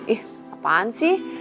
ih apaan sih